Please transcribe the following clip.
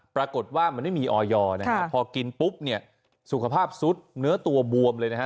ปรากฏว่ามันไม่มีออยอร์นะฮะพอกินปุ๊บเนี่ยสุขภาพซุดเนื้อตัวบวมเลยนะฮะ